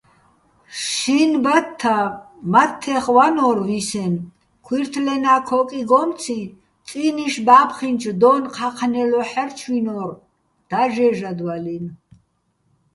შინ ბათთა მათთეხ ვანო́რ ვისენო̆, ქუჲრთლენა ქოკიგომციჼ წინი́შ ბა́ფხინჩო დო́ნ ჴაჴნელო ჰ̦არჩვინო́რ დაჟე́ჟადვალინო̆.